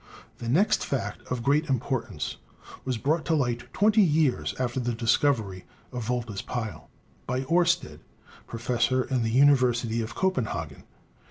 The next fact of great importance was brought to light twenty years after the discovery of Volta's pile by Oer sted, professor in the University of Copenhagen.